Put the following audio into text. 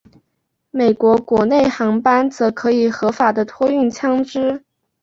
美国国内航班则可以合法的托运枪支。